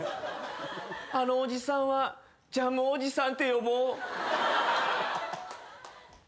あのおじさんはジャムおじさんって呼ぼう。